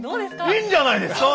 いいんじゃないですか？